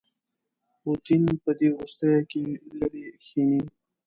پوټین په دې وروستیوکې لیرې کښيني.